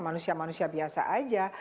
manusia manusia biasa saja